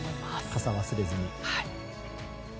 傘を忘れずに。